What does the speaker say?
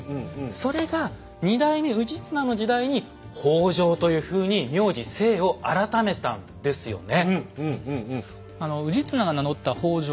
それが２代目氏綱の時代に「北条」というふうに名字姓を改めたんですよね。